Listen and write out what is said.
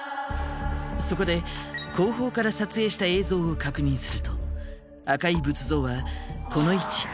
そこで後方から撮影した映像を確認すると赤い仏像はこの位置。